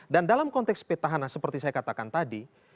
dan dalam konteks petahana seperti saya katakan tadi